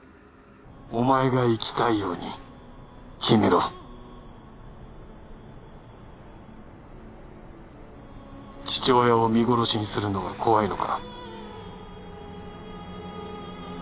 お前が生きたいように決めろ父親を見殺しにするのが怖いのか？